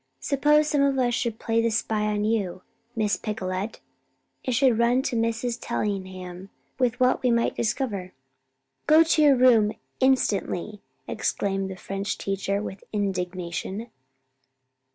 "Suppose some of us should play the spy on you, Miss Picolet, and should run to Mrs. Tellingham with what we might discover?" "Go to your room instantly!" exclaimed the French teacher, with indignation.